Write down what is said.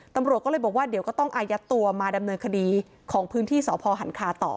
ตำรวจก็เลยบอกว่าเดี๋ยวก็ต้องอายัดตัวมาดำเนินคดีของพื้นที่สพหันคาต่อ